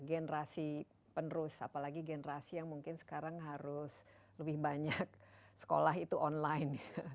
generasi penerus apalagi generasi yang mungkin sekarang harus lebih banyak sekolah itu online